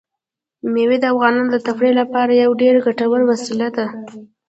مېوې د افغانانو د تفریح لپاره یوه ډېره ګټوره وسیله ده.